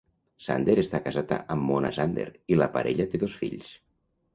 Zander està casat amb Mona Zander i la parella té dos fills.